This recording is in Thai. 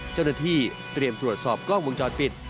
เจ้าหน้าที่เตรียมตรวจสอบกล้องวงจรปิด